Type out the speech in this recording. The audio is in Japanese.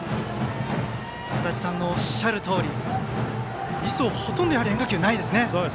足達さんのおっしゃるとおり磯、ほとんど変化球ないですね。